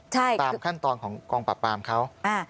ใช่ตามขั้นตอนของกองปราบปรามเขาอ่า